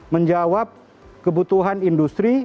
menjawab kebutuhan industri